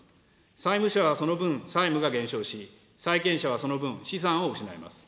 債務者はその分債務が減少し、債権者はその分、資産を失います。